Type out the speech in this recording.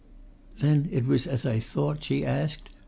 "Then it was as I thought?" she asked.